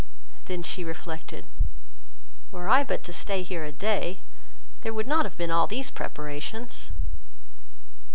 Then she reflected, "Were I but to stay here a day, there would not have been all these preparations."